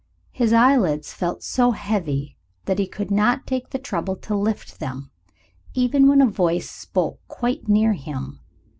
His eyelids felt so heavy that he could not take the trouble to lift them even when a voice spoke quite near him.